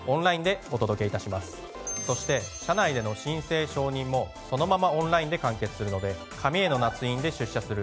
そして社内での申請承認もそのままオンラインで完結するので。